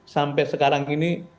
sampai sekarang ini